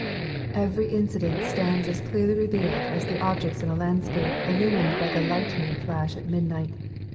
Every incident stands as clearly revealed as the objects in a landscape illumined by the lightning flash at midnight.